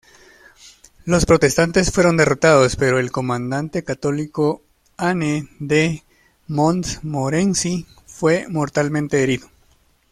Los protestantes fueron derrotados, pero el comandante católico Anne de Montmorency fue mortalmente herido.